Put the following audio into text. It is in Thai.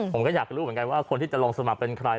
ผมก็อยากรู้เหมือนกันว่าคนที่จะลงสมัครเป็นใคร